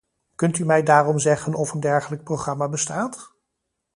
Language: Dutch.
Kunt u mij daarom zeggen of een dergelijk programma bestaat?